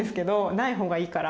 ないほうがいいから。